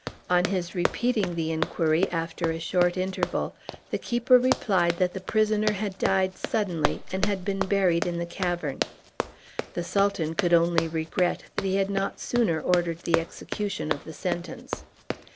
On his repeating the inquiry, after a short interval, the keeper replied that the prisoner had died suddenly, and had been buried in the cavern. The Sultan could only regret that he had not sooner ordered the execution of the sentence.